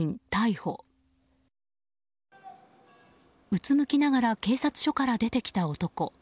うつむきながら警察署から出てきた男。